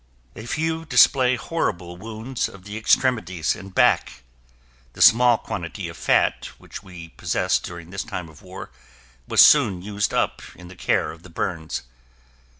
A few display horrible wounds of the extremities and back. The small quantity of fat which we possessed during this time of war was soon used up in the care of the burns.